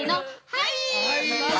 ◆はい！